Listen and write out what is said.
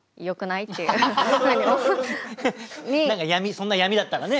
そんな闇だったらね。